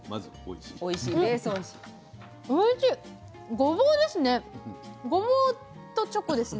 ごぼうですね。